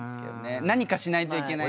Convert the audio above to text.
何かしないといけない。